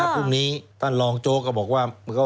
พรุ่งนี้ท่านรองโจ๊กก็บอกว่า